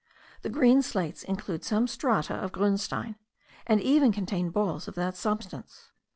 The green slates include some strata of grunstein, and even contain balls of that substance.